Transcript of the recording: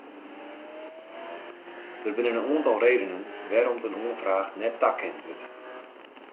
Der binne in oantal redenen wêrom't in oanfraach net takend wurdt.